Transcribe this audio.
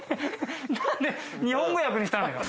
何で日本語訳にしたのよ？